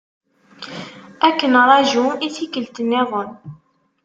Ad k-nraju i tikkelt-nniḍen.